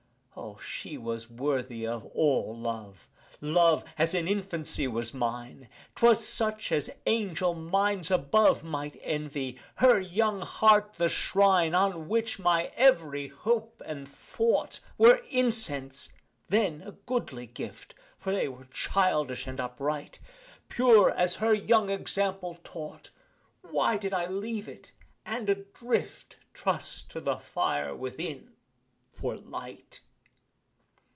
O, she was worthy of all love! Love as in infancy was mine 'Twas such as angel minds above Might envy; her young heart the shrine On which my every hope and thought Were incense then a goodly gift, For they were childish and upright Pure as her young example taught: Why did I leave it, and, adrift, Trust to the fire within, for light?